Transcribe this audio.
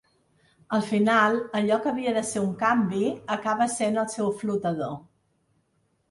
Al final, allò que havia de ser un canvi acaba essent el seu flotador.